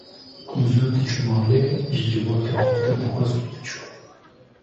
Ku zû diçû malê ji civatê xatir dixwest û diçû